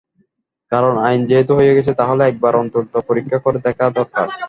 কারণ, আইন যেহেতু হয়ে গেছে, তাহলে একবার অন্তত পরীক্ষা করে দেখা দরকার।